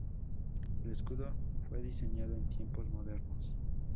El escudo fue diseñado en tiempos modernos.